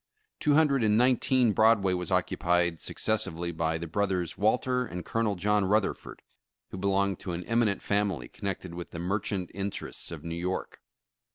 Two hundred and nineteen Broadway was occupied successively by the brothers, Walter, and Colonel John Rutherford, who belonged to an eminent family connected with the mer chant interests of New York.